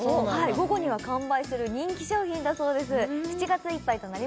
午後には完売する人気商品だそうです